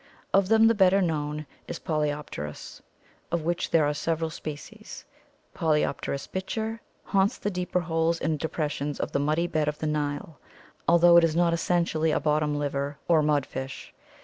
Of them the better known is Polyplerus (Fig. 138), of which there are several species. P. bichir "haunts the deeper holes and depressions of the muddy bed of the Nile, although it is not essentially a bottom liver or mud fish.